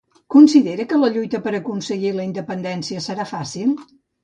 Considera que la lluita per aconseguir la independència serà fàcil?